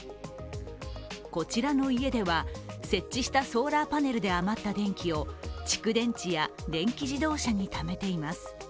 こちらの家では設置したソーラーパネルで余った電気を蓄電池や電気自動車にためています。